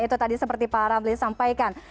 itu tadi seperti pak ramli sampaikan